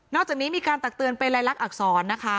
อกจากนี้มีการตักเตือนเป็นลายลักษณอักษรนะคะ